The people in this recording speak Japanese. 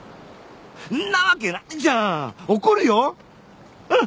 そんなわけないじゃん！